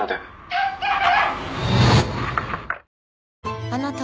「助けて！」